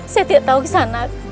saya tidak tahu kisah anak